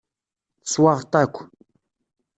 Teswaɣeḍ-t akk.